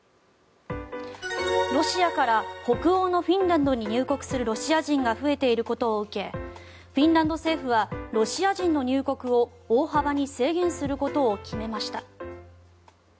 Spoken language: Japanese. ロシアから北欧のフィンランドに入国するロシア人が増えていることを受けフィンランド政府はロシア人の入国を大幅に制限することを決めました。